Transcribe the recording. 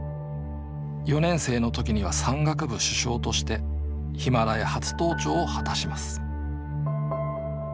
４年生の時には山岳部主将としてヒマラヤ初登頂を果たします